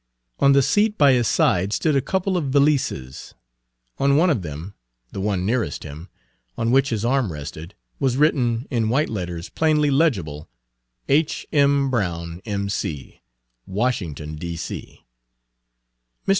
On the seat by his side stood a couple of valises. On one of them, the one nearest him, on which his arm rested, was written, in white letters, plainly legible, "H. M. BROWN, M. C. "Washington, D. C." Mr.